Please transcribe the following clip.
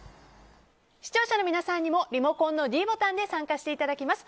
視聴者の皆さんにもリモコンのｄボタンで参加していただきます。